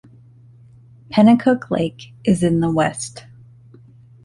Penacook Lake is in the west.